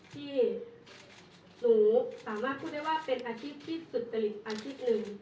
จี๊หนูสามารถพูดได้ว่าเป็นอาชีพที่สุดเจลิตอาชีพนึง